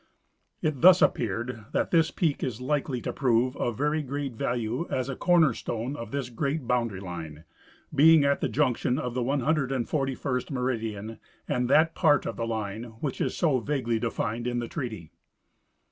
It thus appeared that this peak is likely to prove of very great value as a corner stone in this great boundary line, being at the junction of the 141st meridian and that part of the line which is so vaguely defined in the treaty.